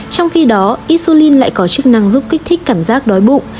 trong khi đó isulin lại có chức năng giúp kích thích cảm giác đói bụng